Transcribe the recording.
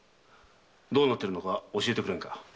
どうなっているのか教えてくれんか。